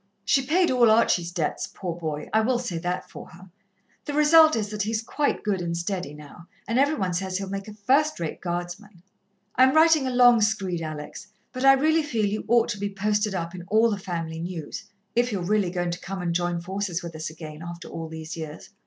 She paid all Archie's debts, poor boy I will say that for her. The result is that he's quite good and steady now, and every one says he'll make a first rate Guardsman. "I'm writing a long screed, Alex, but I really feel you ought to be posted up in all the family news, if you're really going to come and join forces with us again, after all these years.